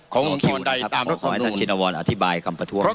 ของสมัยใต้การตมนูน